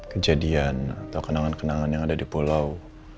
kejadian atau kenangan kenangan yang ada di pulau